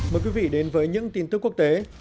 mời quý vị đến với những tin tức quốc tế